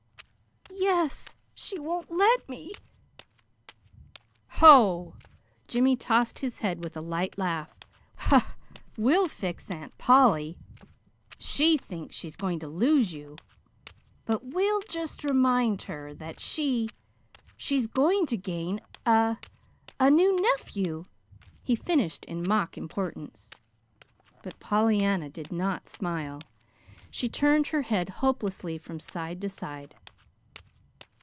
"Yes. She won't let me." "Ho!" Jimmy tossed his head with a light laugh. "We'll fix Aunt Polly. She thinks she's going to lose you, but we'll just remind her that she she's going to gain a a new nephew!" he finished in mock importance. But Pollyanna did not smile. She turned her head hopelessly from side to side.